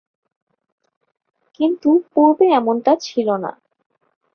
কিন্তু পূর্বে এমনটা ছিলনা।